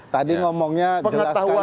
tadi ngomongnya jelaskan di clear